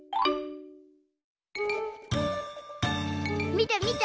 みてみて！